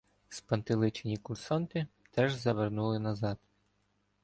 Спантеличені курсанти теж завернули назад.